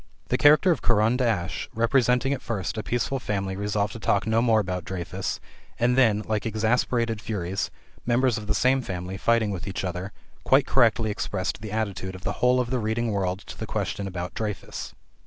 The caricature by Caran d'Ache representing at first a peaceful family resolved to talk no more about Dreyfus, and then, like exasperated furies, members of the same family fighting with each other, quite correctly expressed the attitude of the whole of the reading world to the question about Dreyfus.